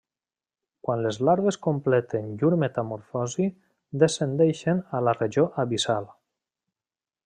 Quan les larves completen llur metamorfosi, descendeixen a la regió abissal.